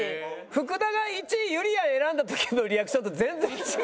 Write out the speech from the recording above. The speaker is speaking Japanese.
福田が１位ゆりやん選んだ時のリアクションと全然違う。